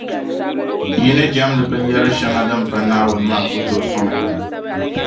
Yi ni jεmdi binyɛr’ shɛŋa din pa Naawuni maa ku tooi sɔŋ ya.